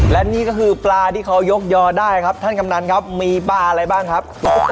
และนี่ก็คือปลาที่เขายกยอได้ครับท่านกำนันครับมีปลาอะไรบ้างครับ